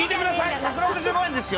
１６５円ですよ。